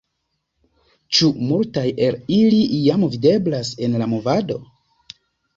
Ĉu multaj el ili jam videblas en la movado?